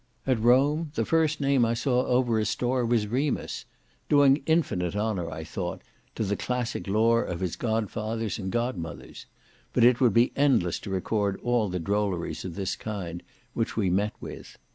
At Rome, the first name I saw over a store was Remus, doing infinite honour, I thought, to the classic lore of his godfathers and godmothers; but it would be endless to record all the drolleries of this kind which we met with.